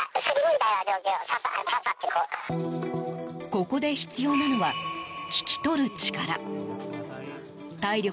ここで必要なのは聞き取る力。